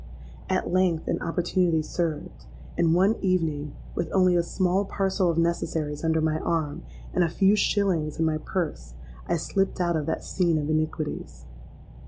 At length an opportunity served; and one evening, with only a small parcel of necessaries under my arm, and a few shillings in my purse, I slipped out of that scene of iniquities.